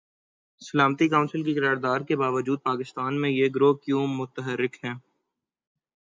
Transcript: سلامتی کونسل کی قرارداد کے باجود پاکستان میں یہ گروہ کیوں متحرک ہیں؟